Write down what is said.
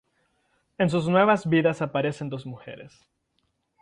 En sus nuevas vidas aparecen dos mujeres.